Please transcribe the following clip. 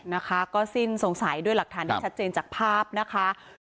นะคะก็สิ้นสงสัยด้วยหลักฐานที่ชัดเจนจากภาพนะคะ